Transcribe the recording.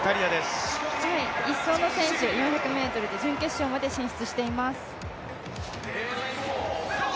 １走の選手、４００ｍで準決勝まで進出しています。